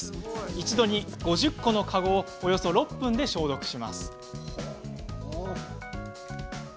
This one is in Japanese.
一度に５０個のカゴをおよそ６分で消毒します。